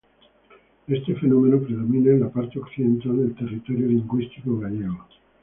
Este fenómeno predomina en la parte occidental del territorio lingüístico gallego.